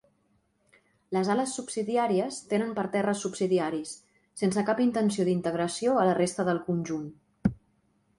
Les ales subsidiàries tenen parterres subsidiaris, sense cap intenció d'integració a la resta del conjunt.